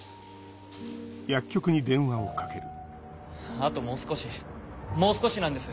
あともう少しもう少しなんです。